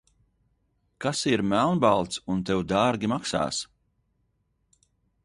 Kas ir melnbalts un tev dārgi maksās?